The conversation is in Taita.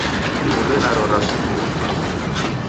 Fuw'e naro raw'asumbua